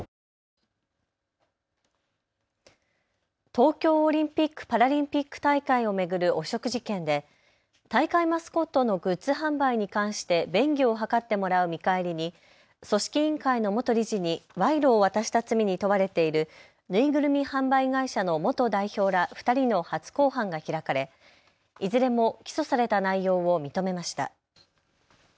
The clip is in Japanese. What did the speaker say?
東京オリンピック・パラリンピック大会を巡る汚職事件で大会マスコットのグッズ販売に関して便宜を図ってもらう見返りに組織委員会の元理事に賄賂を渡した罪に問われている縫いぐるみ販売会社の元代表ら２人の初公判が開かれいずれも起訴された内容を認めました。